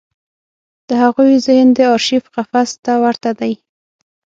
د هغوی ذهن د ارشیف قفس ته ورته دی.